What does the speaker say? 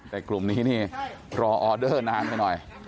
แต่กลุ่มนี้นี่รอออเดอร์นานไปหน่อย